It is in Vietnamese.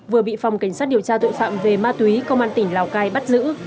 vừa bị phòng cảnh sát điều tra tội phạm về ma túy công an tỉnh lào cai bắt giữ